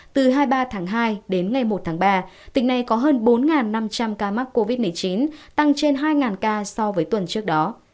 từ hai mươi ba tháng hai đến ngày một tháng ba tỉnh này có hơn bốn năm trăm linh ca mắc covid một mươi chín tăng trên hai ca so với tuần trước đó